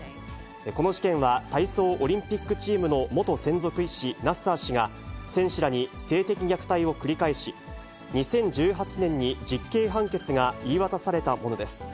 この事件は、体操オリンピックチームの元専属医師、ナッサー氏が、選手らに性的虐待を繰り返し、２０１８年に実刑判決が言い渡されたものです。